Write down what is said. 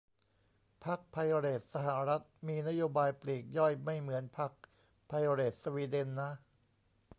พรรคไพเรตสหรัฐมีนโยบายปลีกย่อยไม่เหมือนพรรคไพเรตสวีเดนนะ